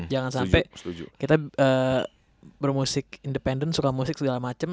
jangan sampe kita bermusik independen suka musik segala macem